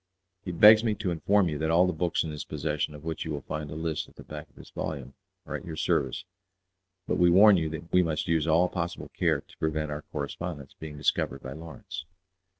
He begs me to inform you that all the books in his possession, of which you will find a list at the back of this volume, are at your service; but we warn you that we must use all possible care to prevent our correspondence being discovered by Lawrence."